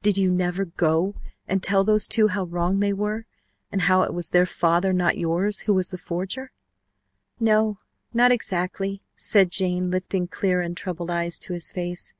Did you never go and tell those two how wrong they were and how it was their father, not yours, who was the forger?" "No, not exactly," said Jane, lifting clear untroubled eyes to his face.